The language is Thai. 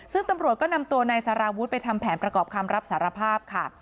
ซึ่งตำรวจก็นำตัวนายสารวุฒิไปทำแผนประกอบคำรับสารภาพค่ะ